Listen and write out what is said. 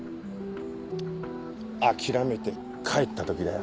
諦めて帰った時だよ。